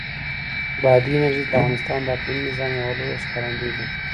بادي انرژي د افغانستان د اقلیمي نظام یوه لویه ښکارندوی ده.